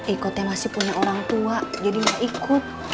eko t masih punya orang tua jadi gak ikut